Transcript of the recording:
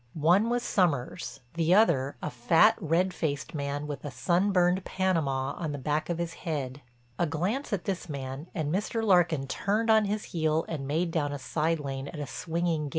One was Sommers, the other a fat, red faced man with a sunburned Panama on the back of his head. A glance at this man and Mr. Larkin turned on his heel and made down a side lane at a swinging gait.